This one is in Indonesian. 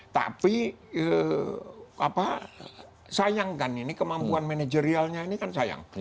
tapi sayangkan ini kemampuan manajerialnya ini kan sayang